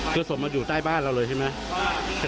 คือศพมันอยู่ใต้บ้านเราเลยใช่ไหม